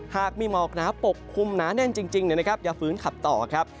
หากมีหมอกหนาปกคลุมหนาแน่นจริงอย่าฝืนขับต่อครับ